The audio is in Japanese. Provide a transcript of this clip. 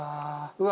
うわ！